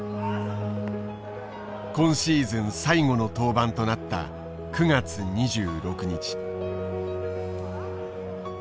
今シーズン最後の登板となった９月２６日。